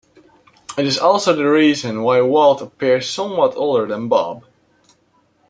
It is also the reason why Walt appears somewhat older than Bob.